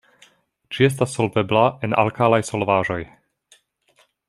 Ĝi estas solvebla en alkalaj solvaĵoj.